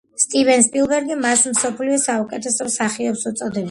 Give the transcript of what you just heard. სტივენ სპილბერგი მას მსოფლიოს საუკეთესო მსახიობს უწოდებდა.